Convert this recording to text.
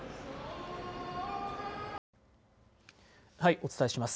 お伝えします。